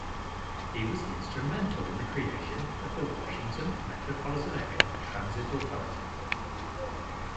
He was instrumental in the creation of the Washington Metropolitan Area Transit Authority.